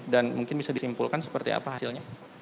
dan mungkin bisa disimpulkan seperti apa hasilnya